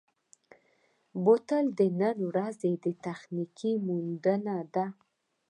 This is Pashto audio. بوتل د نن ورځې تخنیکي موندنه ده.